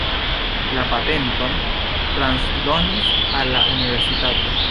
La patenton transdonis al la universitato.